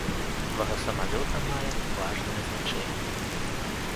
Вага самалёта мае важнае значэнне.